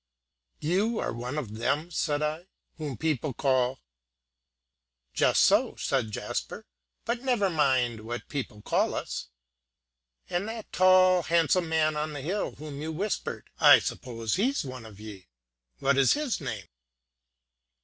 "You are one of them," said I, "whom people call " "Just so," said Jasper; "but never mind what people call us." "And that tall handsome man on the hill, whom you whispered: I suppose he's one of ye. What is his name?"